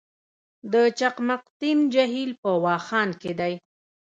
د چقمقتین جهیل په واخان کې دی